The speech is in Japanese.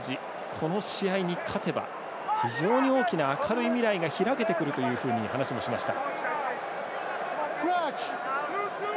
この試合に勝てば非常に大きな明るい未来が開けてくるというふうに話をしました。